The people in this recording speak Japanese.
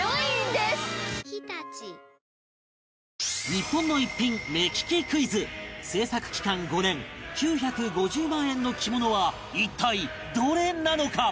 日本の逸品目利きクイズ製作期間５年９５０万円の着物は一体どれなのか？